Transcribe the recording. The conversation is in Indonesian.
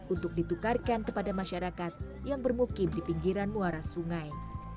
untuk ditukarkan kepada masyarakat yang bermukim di pinggiran muara sungai